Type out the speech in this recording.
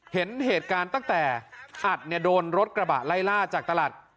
เห็นเหตุการณ์ตั้งแต่อัดเนี่ยโดนรถกระบะไล่ล่าจากตลาด